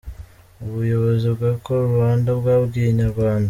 Ubuyobozi bwa Call Rwanda bwabwiye Inyarwanda.